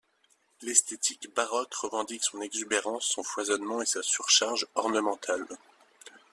L'esthétique baroque revendique son exubérance, son foisonnement et sa surcharge ornementale.